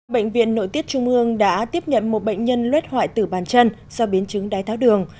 bệnh viện nội tiết trung hương đã tiếp nhận một bệnh nhân luyết hoại tử bàn chân do biến chứng đai tháo đường